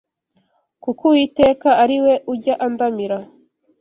kuko Uwiteka ari we ujya andamira